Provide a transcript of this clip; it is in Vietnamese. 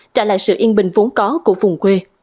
trả lại sự yên bình vốn có của vùng quê